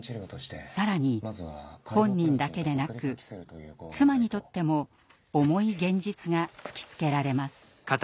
更に本人だけでなく妻にとっても重い現実が突きつけられます。